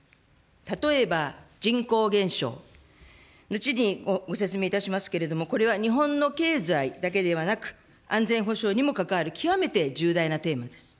例えば人口減少、後にご説明いたしますけれども、これは日本の経済だけではなく、安全保障にも関わる極めて重大なテーマです。